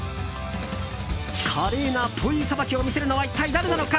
華麗なポイさばきを見せるのは一体誰なのか。